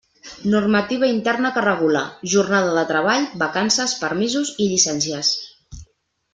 Normativa interna que regula: jornada de treball, vacances, permisos i llicències.